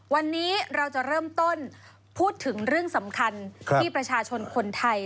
วันนี้เราจะเริ่มต้นพูดถึงเรื่องสำคัญที่ประชาชนคนไทย